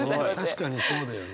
確かにそうだよね。